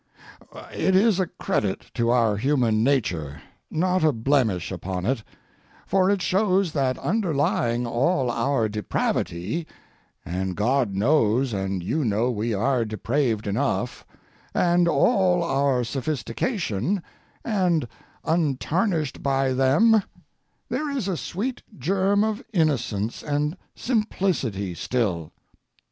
It is a credit to our human nature, not a blemish upon it; for it shows that underlying all our depravity (and God knows and you know we are depraved enough) and all our sophistication, and untarnished by them, there is a sweet germ of innocence and simplicity still.